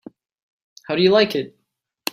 How do you like it?